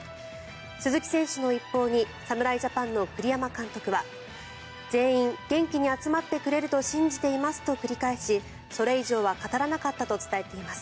鈴木選手の一報に侍ジャパンの栗山監督は全員、元気に集まってくれると信じていますと繰り返しそれ以上は語らなかったと伝えています。